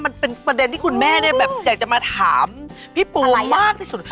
มันเป็นประเด็นที่คุณแม่เนี่ยแบบอยากจะมาถามพี่ปูมากที่สุดค่ะ